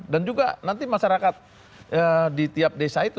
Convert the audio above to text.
dan juga nanti masyarakat di tiap desa itu